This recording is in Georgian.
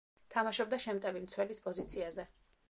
თამაშობდა შემტევი მცველის პოზიციაზე.